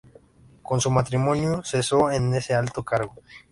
Con su matrimonio cesó en este alto cargo.